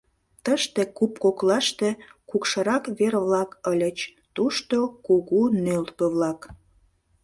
Тыште, куп коклаште, кукшырак вер-влак ыльыч, тушто кугу нӧлпӧ-влак.